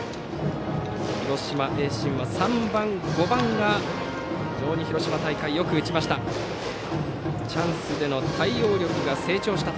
広島・盈進は３番と５番が非常に広島大会でよく打ちました。